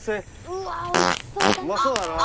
うわおいしそうだな。